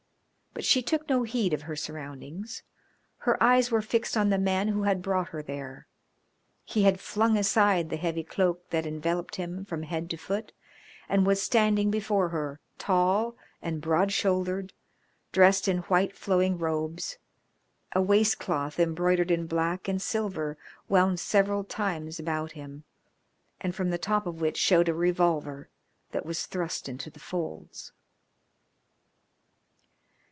But she took no heed of her surroundings; her eyes were fixed on the man who had brought her there. He had flung aside the heavy cloak that enveloped him from head to foot and was standing before her, tall and broad shouldered, dressed in white flowing robes, a waistcloth embroidered in black and silver wound several times about him, and from the top of which showed a revolver that was thrust into the folds.